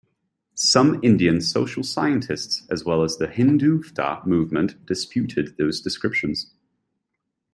Some Indian social scientists, as well as the Hindutva movement, dispute those descriptions.